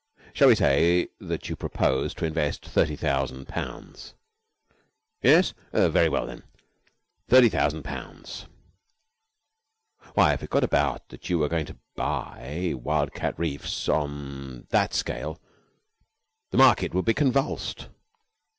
Shall we say that you propose to invest thirty thousand pounds? Yes? Very well, then. Thirty thousand pounds! Why, if it got about that you were going to buy Wildcat Reefs on that scale the market would be convulsed."